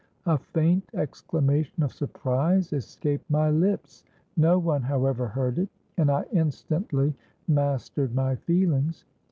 A faint exclamation of surprise escaped my lips; no one however heard it—and I instantly mastered my feelings.